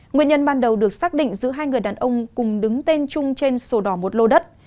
nguyên nhân ban đầu được xác định giữa hai người đàn ông cùng đứng tên chung trên sổ đỏ một lô đất